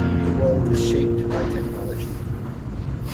The world is shaped by technology.